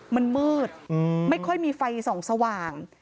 มันมืดไม่ค่อยมีไฟส่องสว่าง